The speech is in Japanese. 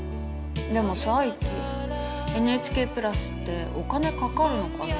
でもさイッキＮＨＫプラスってお金かかるのかな。